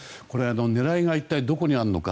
狙いが一体どこにあるのか